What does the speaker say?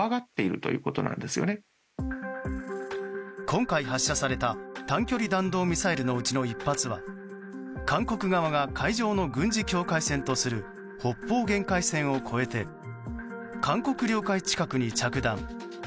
今回発射された短距離弾道ミサイルのうちの１発は韓国側が海上の軍事境界線とする北方限界線を越えて韓国領海近くに着弾。